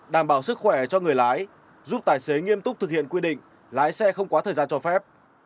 đảm bảo sức khỏe cho người lái giúp tài xế nghiêm túc thực hiện quy định lái xe không quá thời gian cho phép